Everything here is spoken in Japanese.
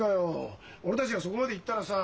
俺たちがそこまで言ったらさ